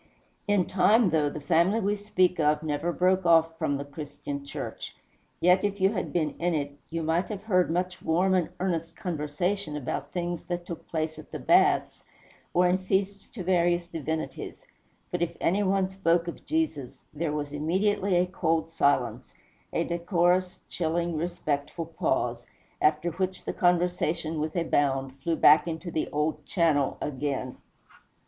In time, though the family we speak of never broke off from the Christian Church, yet if you had been in it, you might have heard much warm and earnest conversation about things that took place at the baths, or in feasts to various divinities; but if any one spoke of Jesus, there was immediately a cold silence, a decorous, chilling, respectful pause, after which the conversation, with a bound, flew back into the old channel again.